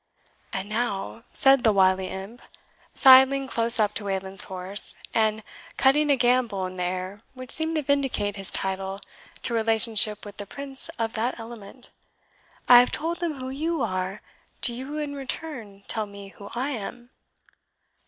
"And now," said the wily imp, sidling close up to Wayland's horse, and cutting a gambol in the air which seemed to vindicate his title to relationship with the prince of that element, "I have told them who YOU are, do you in return tell me who I am?"